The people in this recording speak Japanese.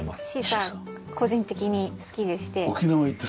シーサー個人的に好きでして。